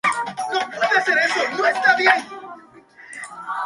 Por ello decide alejarse por años de sus compañeros radiales.